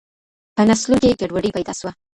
په نسلونو کي ګډوډي پیدا سوه.